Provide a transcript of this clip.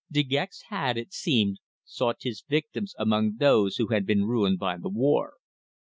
De Gex had, it seemed, sought his victims among those who had been ruined by the war.